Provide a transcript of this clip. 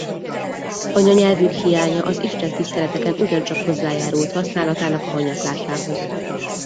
Anyanyelvük hiánya az istentiszteleteken ugyancsak hozzájárult használatának a hanyatlásához.